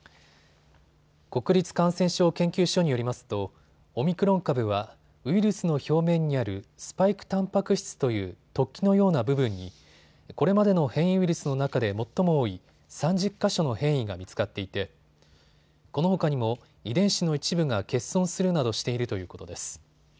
国立感染症研究所によりますとオミクロン株はウイルスの表面にあるスパイクたんぱく質という突起のような部分にこれまでの変異ウイルスの中で最も多い３０か所の変異が見つかっていてこのほかにも遺伝子の一部が欠損するなどしているということです。